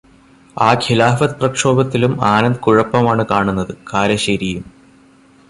ആ ഖിലാഫത്ത് പ്രക്ഷോഭത്തിലും ആനന്ദ് കുഴപ്പമാണു കാണുന്നത്, കാരശേരിയും.